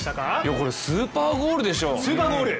これスーパーゴールでしょ。